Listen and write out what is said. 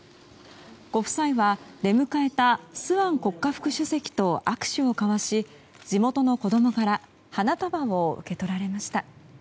ご夫妻は出迎えたスアン国家副主席と握手を交わし地元の子供から花束を受け取られました。